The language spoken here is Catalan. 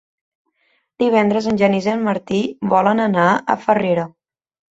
Divendres en Genís i en Martí volen anar a Farrera.